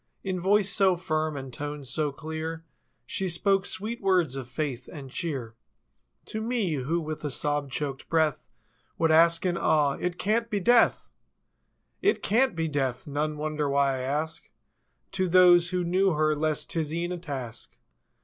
In voice so firm, and tones so clear She spoke sweet words of faith and cheer To me, who, with a sob choked breath Would ask in awe ^—cant be deathf' It can't be Death! None wonder why I ask. To those who knew her less 'tis e'en a task.